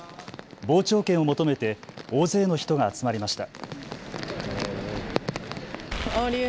傍聴券を求めて大勢の人が集まりました。